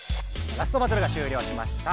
ラストバトルが終了しました。